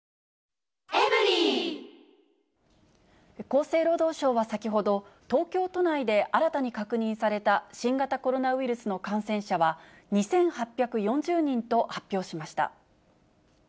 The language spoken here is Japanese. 厚生労働省は先ほど、東京都内で新たに確認された新型コロナウイルスの感染者は２８４０人と発表しました。